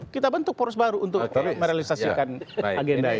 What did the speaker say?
kita bentuk poros baru untuk merealisasikan agenda ini